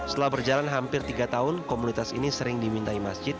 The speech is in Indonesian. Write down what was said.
setelah berjalan hampir tiga tahun komunitas ini sering dimintai masjid